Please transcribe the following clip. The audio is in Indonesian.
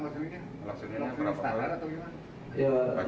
melaksanainya berapa kali